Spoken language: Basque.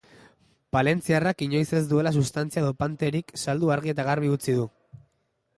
Palentziarrak inoiz ez duela sustantzia dopanteerik saldu argi eta garbi utzi du.